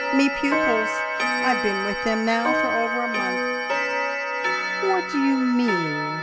"Me pupils! I've been with them now for over a month." "What do you mean?